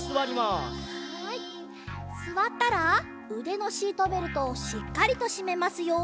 すわったらうでのシートベルトをしっかりとしめますよ。